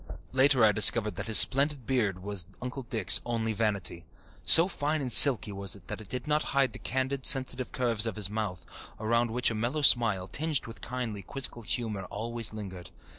Later I discovered that his splendid beard was Uncle Dick's only vanity. So fine and silky was it that it did not hide the candid, sensitive curves of his mouth, around which a mellow smile, tinged with kindly, quizzical humour, always lingered.